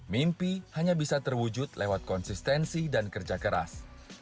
mimpi hanya bisa terwujud lewat konsistensi dan kerja keras